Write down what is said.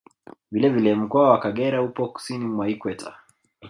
Vile vile Mkoa wa Kagera upo Kusini mwa Ikweta